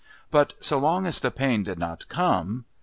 but so long as the pain did not come...